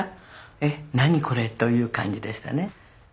えっ何これという感じでしたね。